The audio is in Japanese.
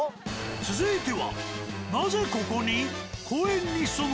続いては。